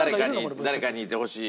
誰かにいてほしい。